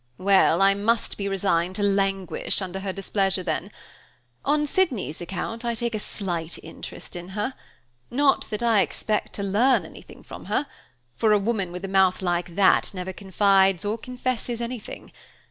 Well, I must be resigned to languish under her displeasure then. On Sydney's account I take a slight interest in her; not that I expect to learn anything from her, for a woman with a mouth like that never confides or confesses anything.